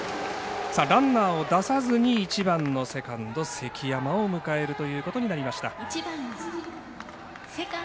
ランナーを出さずに１番セカンドの関山を迎えることになりました。